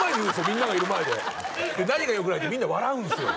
みんながいる前でで何がよくないってみんな笑うんですよ